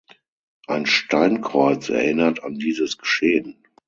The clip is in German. Ein Steinkreuz erinnert an dieses Geschehen.